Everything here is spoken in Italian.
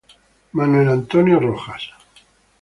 Manuel Antonio Rojas